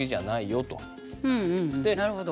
なるほど。